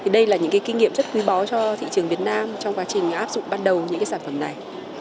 đây là những kinh nghiệm rất quý báu cho thị trường việt nam trong quá trình áp dụng ban đầu những sản phẩm này